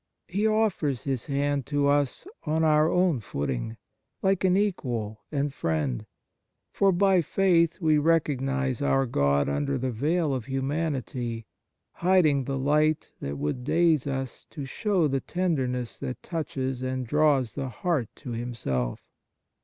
He offers His hand to us on our own footing, like an equal and friend; for by faith we recognize our God under the veil of humanity, hiding the light that would daze us to show the tenderness that touches and draws the heart to Him self.